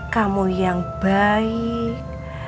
kamu yang baik